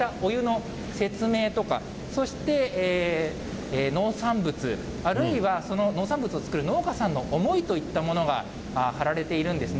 この壁、浴槽の壁を見ますと、こうしたお湯の説明とか、そして、農産物、あるいはその農産物を作る農家さんの思いといったものが貼られているんですね。